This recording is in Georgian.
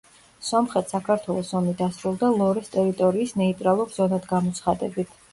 სომხეთ-საქართველოს ომი დასრულდა ლორეს ტერიტორიის ნეიტრალურ ზონად გამოცხადებით.